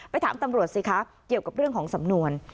ถามตำรวจสิคะเกี่ยวกับเรื่องของสำนวน